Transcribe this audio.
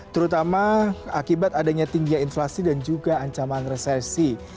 terutama akibat adanya tinggi inflasi dan juga ancaman resesi